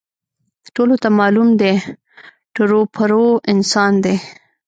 ټولو ته معلوم دی، ټرو پرو انسان دی.